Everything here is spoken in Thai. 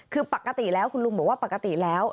คือปกติแล้วคุณลุงบอกว่าปกติแล้ว